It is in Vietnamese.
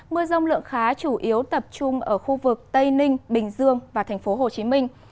mưa rông lượng khá chủ yếu tập trung ở khu vực tây ninh bình dương và tp hcm